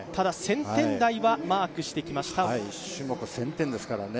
１０００点台はマークしてきました。